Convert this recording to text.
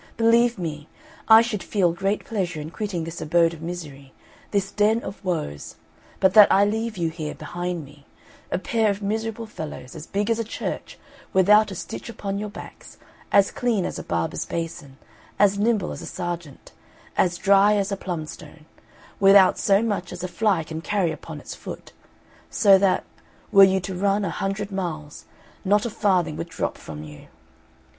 Believe me, I should feel great pleasure in quitting this abode of misery, this den of woes, but that I leave you here behind me a pair of miserable fellows, as big as a church, without a stitch upon your backs, as clean as a barber's basin, as nimble as a serjeant, as dry as a plum stone, without so much as a fly can carry upon its foot; so that, were you to run a hundred miles, not a farthing would drop from you.